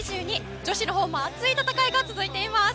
女子のほうも熱い戦いが続いています。